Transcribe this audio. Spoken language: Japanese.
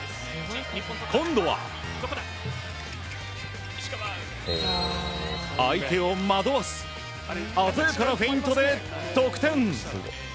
今度は、相手を惑わす鮮やかなフェイントで得点。